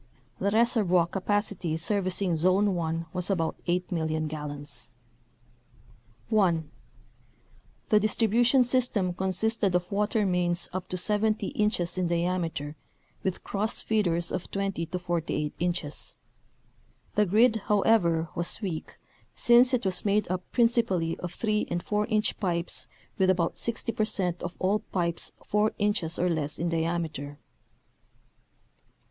The reservoir capacity servicing Zone 1 was about 8,000,000 gallons. (1) The distribution system consisted of water mains up to 70 inches in diameter with cross feeders of 20 to 48 inches. The grid, however, was weak since it was made up prin cipally of 3 and 4 inch pipes with about 60 per cent of all pipes 4 inches or less in diameter.